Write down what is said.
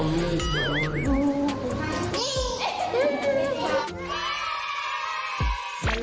ในแรงเผามุม